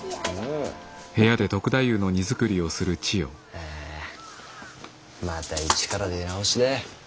あまた一から出直しだ。